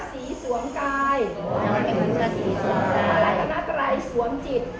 สีสวมกายหลักมนตรายสวมจิต